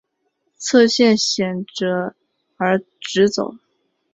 侧线显着而直走。